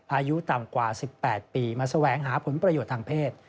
อายุต่ำกว่า๑๘ปีมาแสวงหาผลประโยชน์ทางเพศ